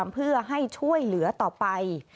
เพื่อให้ช่วยเหลือต่อไป